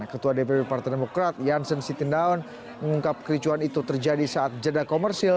ketua dpp partai demokrat jansen sitindaun mengungkap kericuan itu terjadi saat jeda komersil